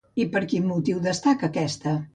I per quin motiu destaca aquesta?